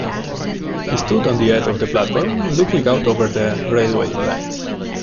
He stood on the edge of the platform, looking out over the railway lines.